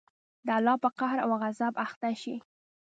د الله په قهر او غصب اخته شئ.